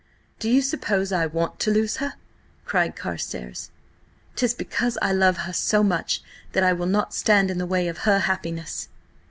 "Do you suppose I want to lose her?" cried Carstares. "'Tis because I love her so much that I will not stand in the way of her happiness!"